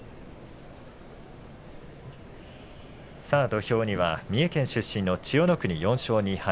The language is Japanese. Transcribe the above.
土俵には三重県出身の千代の国、４勝２敗